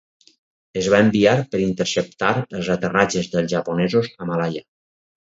Es va enviar per interceptar els aterratges dels japonesos a Malaya.